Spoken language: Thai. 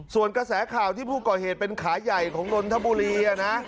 ส่วนกระแสข่าวที่ผู้ก่อเหตุเป็นขาใหญ่ของนนทบุรี